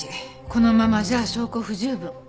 このままじゃ証拠不十分。